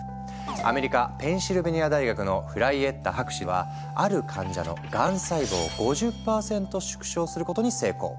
アメリカペンシルベニア大学のフライエッタ博士はある患者のがん細胞を５０％縮小することに成功。